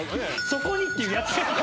「そこに」っていうやつが。